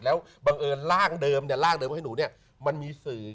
แล้วบังเอิญร่างเดิมเนี่ยร่างเดิมให้หนูเนี่ยมันมีสื่อ